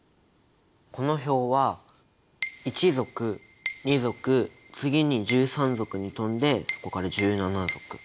この表は１族２族次に１３族に飛んでそこから１７族。